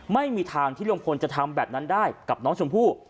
ไม่มีทางที่ลุงพลจะทำแบบนั้นได้กับน้องชมพู่